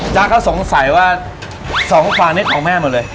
จ้าเขาสงสัยว่าสองฝั่งนี้ของแม่มันเลย